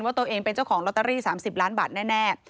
ตัวเองเป็นเจ้าของลอตเตอรี่๓๐ล้านบาทแน่